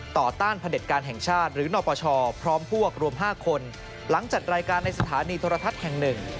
ต้านพระเด็จการแห่งชาติหรือนปชพร้อมพวกรวม๕คนหลังจัดรายการในสถานีโทรทัศน์แห่งหนึ่ง